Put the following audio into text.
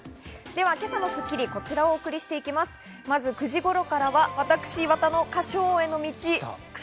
今朝の『スッキリ』はこちらをお送りしていきます、９時頃からは私、岩田の歌唱王への道。